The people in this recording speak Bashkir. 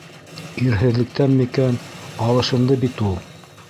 - Ирһеҙлектән микән... алышынды бит ул!